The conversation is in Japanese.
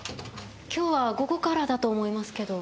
今日は午後からだと思いますけど。